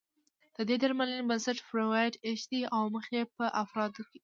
د دې درملنې بنسټ فرویډ اېښی دی او موخه يې په افرادو کې د